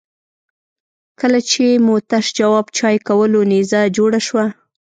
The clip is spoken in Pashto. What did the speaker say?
کله چې مو تش جواب چای کولو نيزه جوړه شوه.